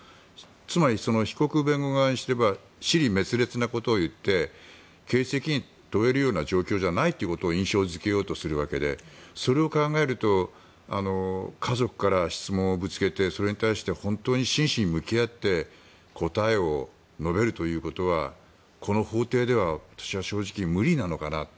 つまり、被告弁護側にすれば支離滅裂なことを言って刑事責任を問えるような状況じゃないということを印象付けようとするわけでそれを考えると家族から質問をぶつけてそれに対して本当に真摯に向き合って答えを述べるということはこの法廷では私は正直、無理なのかなと。